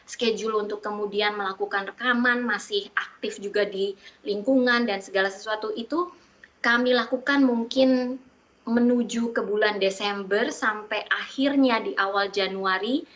schedule untuk kemudian melakukan rekaman masih aktif juga di lingkungan dan segala sesuatu itu kami lakukan mungkin menuju ke bulan desember sampai akhirnya di awal januari